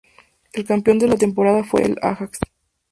El campeón de la temporada fue el Ajax.